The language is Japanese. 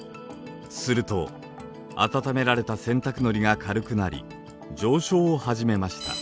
すると温められた洗濯のりが軽くなり上昇を始めました。